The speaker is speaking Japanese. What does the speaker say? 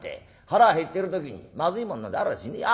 腹減ってる時にまずいもんなんてあらしねえ。